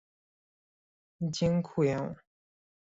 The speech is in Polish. Dziękuję